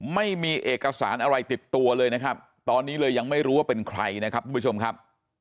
ไม่มีเอกสารอะไรติดตัวเลยนะครับตอนนี้เลยยังไม่รู้ว่าเป็นใครนะครับทุกผู้ชมครับ